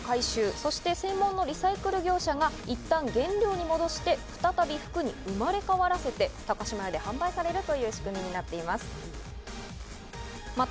そして専門のリサイクル業者がいったん原料に戻して、再び服に生まれ変わらせて高島屋で販売されるという仕組みになっています。